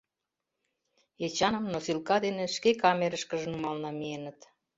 Эчаным носилка дене шке камерышкыже нумал намиеныт.